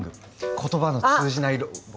言葉の通じないロボ。